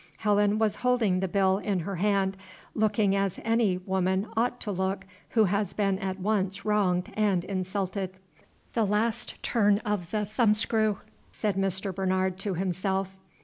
Helen was holding the bill in her hand, looking as any woman ought to look who has been at once wronged and insulted. "The last turn of the thumbscrew!" said Mr. Bernard to himself.